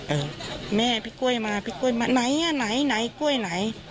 เออแม่พี่กล้วยมาพี่กล้วยมาไหนอ่ะไหนไหนกล้วยไหน